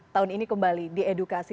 tahun ini kembali di edukasi